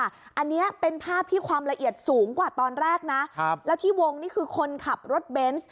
อันนี้เป็นภาพที่ความละเอียดสูงกว่าตอนแรกนะแล้วที่วงนี่คือคนขับรถเบนส์